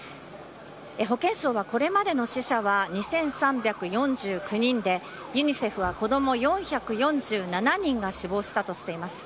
保健省は、これまでの死者は２３４９人で、ユニセフは子ども４４７人が死亡したとしています。